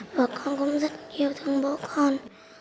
và con cũng rất yêu thương bố con